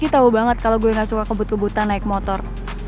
tahu banget kalau gue gak suka kebut kebutan naik motor